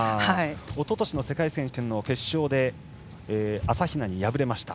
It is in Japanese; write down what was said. おととしの世界選手権の決勝で朝比奈に敗れました。